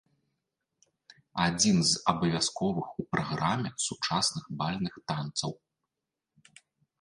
Адзін з абавязковых у праграме сучасных бальных танцаў.